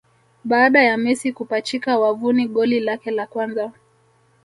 Baada ya Messi kupachika wavuni goli lake la kwanza